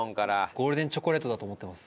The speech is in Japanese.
ゴールデンチョコレートだと思ってます